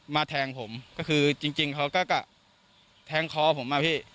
มาแทงผมก็คือจริงจริงเขาก็ก็แทงคอผมมาพี่